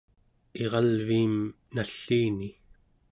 iralviim nalliini